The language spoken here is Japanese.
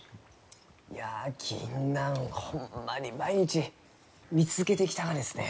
いやギンナンホンマに毎日見続けてきたがですね。